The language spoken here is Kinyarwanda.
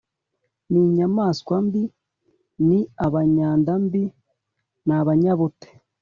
ni inyamaswa mbi ni abanyanda mbi b’abanyabute.”